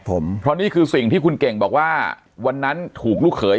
ผมเพราะนี่คือสิ่งที่คุณเก่งบอกว่าวันนั้นถูกลูกเขย